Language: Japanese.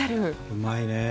うまいね。